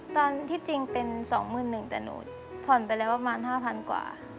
จริงเป็น๒๑๐๐บาทแต่หนูผ่อนไปแล้วประมาณ๕๐๐กว่า